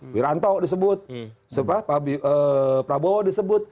wiranto disebut prabowo disebut